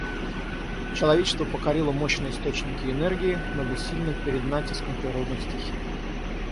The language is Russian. Человечество покорило мощные источники энергии, но бессильно перед натиском природных стихий.